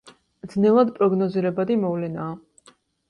ძნელად პროგნოზირებადი მოვლენაა.